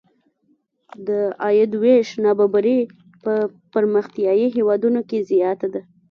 د عاید وېش نابرابري په پرمختیايي هېوادونو کې زیاته ده.